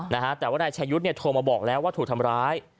นะฮะแต่ว่านายชายุทธ์เนี่ยโทรมาบอกแล้วว่าถูกทำร้าย